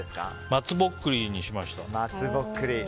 松ぼっくりにしました。